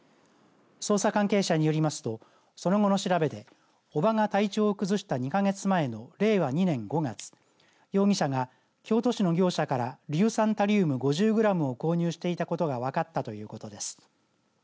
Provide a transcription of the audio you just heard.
捜査関係者によりますとその後の調べで叔母が体調を崩した２か月前の令和２年５月容疑者が京都市の業者から硫酸タリウム５０グラムを購入していたことが分かったということです。